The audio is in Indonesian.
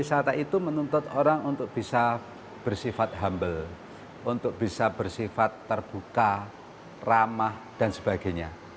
wisata itu menuntut orang untuk bisa bersifat humble untuk bisa bersifat terbuka ramah dan sebagainya